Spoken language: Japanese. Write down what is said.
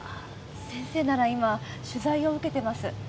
先生なら今取材を受けてます。